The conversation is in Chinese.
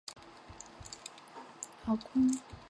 检察官业绩考评